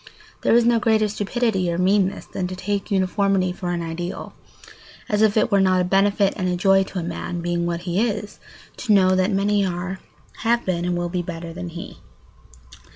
There is no greater stupidity or meanness than to take uniformity for an ideal, as if it were not a benefit and a joy to a man, being what he is, to know that many are, have been, and will be better than he.